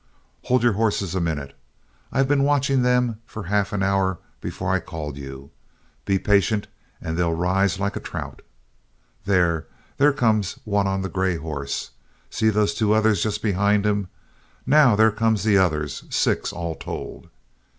Hold your horses a minute; I've been watching them for half an hour before I called you; be patient, and they'll rise like a trout. There! there comes one on a gray horse. See those two others just behind him. Now, there come the others six all told."